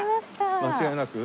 間違いなく？